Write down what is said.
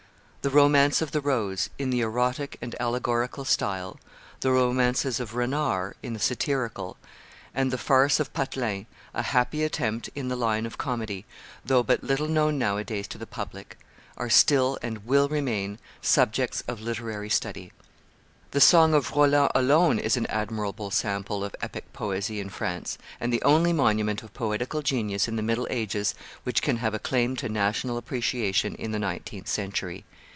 The Romance of the Rose in the erotic and allegorical style, the Romances of Renart in the satirical, and the Farce of Patelin, a happy attempt in the line of comedy, though but little known nowadays to the public, are still and will remain subjects of literary study. The Song of Roland alone is an admirable sample of epic poesy in France, and the only monument of poetical genius in the middle ages which can have a claim to national appreciation in the nineteenth century.